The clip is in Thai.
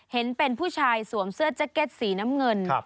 เห็นเป็นผู้ชายสวมเสื้อแจ็คเก็ตสีน้ำเงิน